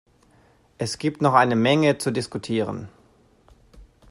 Es gibt noch eine Menge zu diskutieren.